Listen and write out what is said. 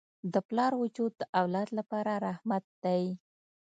د پلار وجود د اولاد لپاره رحمت دی.